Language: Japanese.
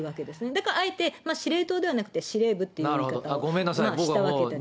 だから、あえて司令塔ではなくて、司令部っていう言い方をしたわけです。